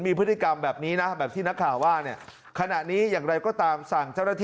มีพฤติกรรมแบบนี้นะแบบที่นักข่าวว่าเนี่ยขณะนี้อย่างไรก็ตามสั่งเจ้าหน้าที่